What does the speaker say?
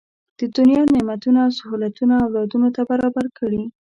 د دنیا نعمتونه او سهولتونه اولادونو ته برابر کړي.